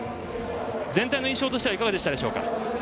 全体の印象としてはいかがでしたでしょうか。